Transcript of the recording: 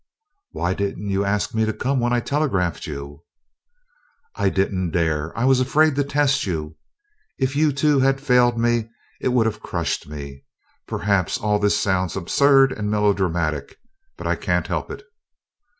"Why didn't you ask me to come when I telegraphed you!" "I didn't dare I was afraid to test you. If you, too, had failed me, it would have crushed me. Perhaps all this sounds absurd and melodramatic, but I can't help it.